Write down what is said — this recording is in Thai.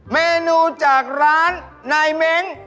เมนูจากร้านในเม้งค์